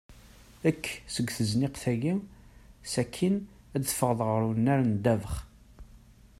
Ekk seg tezniqt-agi ssakin af teffeɣḍ ɣer unnar n ddabex.